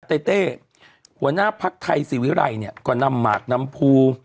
เต้เต้หัวหน้าภักดิ์ไทยศิวิไลก็นำหมากน้ำพู